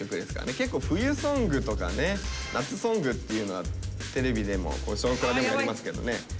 結構冬ソングとかね夏ソングっていうのはテレビでも「少クラ」でもやりますけどね。